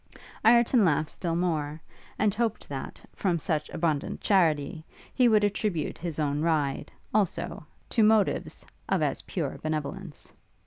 Ireton laughed still more; and hoped that, from such abundant charity, he would attribute his own ride, also, to motives of as pure benevolence.